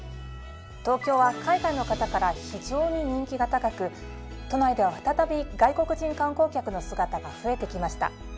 東京は海外の方から非常に人気が高く都内では再び外国人観光客の姿が増えてきました。